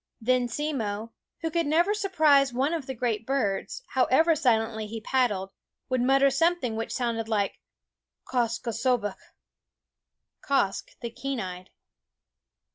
Then Simmo, who could never surprise one of the great birds, however silently he pad dled, would mutter something which sounded like Quoskh K'sobeqh, Quoskh the Keen Eyed.